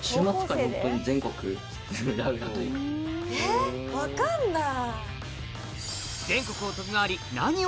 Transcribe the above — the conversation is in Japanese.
えっ分かんない。